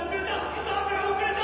スタートが遅れた！